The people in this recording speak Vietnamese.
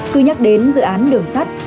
cứ nhắc đến dự án đường sắt